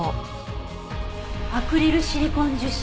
「アクリルシリコン樹脂」？